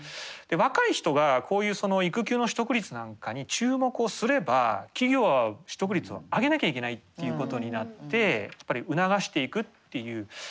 若い人がこういう育休の取得率なんかに注目をすれば企業は取得率を上げなきゃいけないっていうことになって促していくっていう。